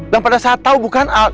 dan pada saat tau bukan al